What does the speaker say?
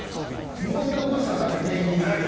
問題起こしたらアカンねんペンギンで。